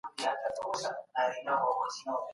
ډيموکراسي خلګو ته د سياسي ګډون حق ورکوي.